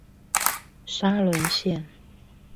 沙崙線